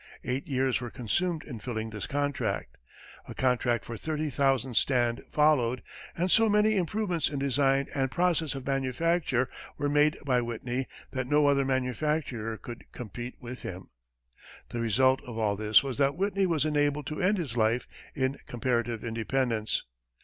Eight years were consumed in filling this contract. A contract for 30,000 stand followed, and so many improvements in design and process of manufacture were made by Whitney that no other manufacturer could compete with him. The result of all this was that Whitney was enabled to end his life in comparative independence.